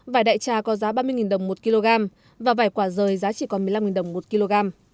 vải đại trà có giá ba mươi đồng một kg và vải quả rời giá chỉ còn một mươi năm đồng một kg